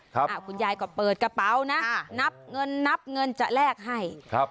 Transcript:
คุณยายก็เปิดกระเป๋านะนับเงินนับเงินจะแลกให้ครับ